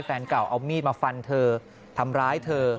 แฟนเก่าเอามีดมาฟันเธอทำร้ายเธอ